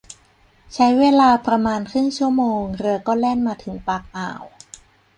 ใช้เวลาประมาณครึ่งชั่วโมงเรือก็แล่นมาถึงปากอ่าว